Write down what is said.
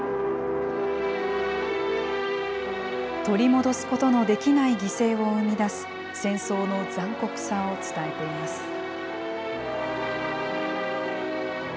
取り戻すことのできない犠牲を生み出す、戦争の残酷さを伝えています。